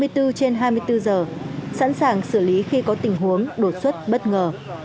hai mươi bốn trên hai mươi bốn giờ sẵn sàng xử lý khi có tình huống đột xuất bất ngờ